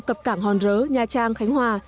cập cảng hòn rớ nha trang khánh hòa